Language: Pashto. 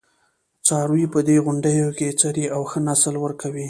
څاروي په دې غونډیو کې څري او ښه نسل ورکوي.